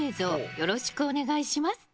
よろしくお願いします。